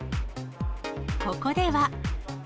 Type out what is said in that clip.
ここでは。